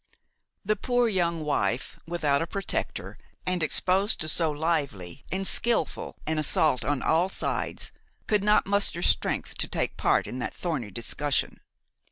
The poor young wife, without a protector and exposed to so lively and skilful an assault on all sides, could not muster strength to take part in that thorny discussion.